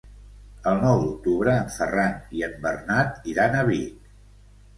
El nou d'octubre en Ferran i en Bernat iran a Vic.